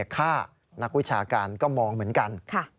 ฆ่านักวิชาการก็มองเหมือนกัน